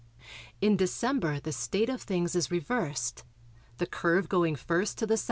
In December the state of things is reversed, the curve going first to the S.E.